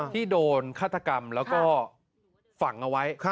ที่โดนฆาตกรรมแล้วก็ฝังเอาไว้